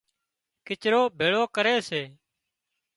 ڪچرو ڀيۯو ڪري سي